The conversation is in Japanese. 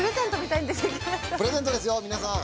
プレゼントですよ皆さん。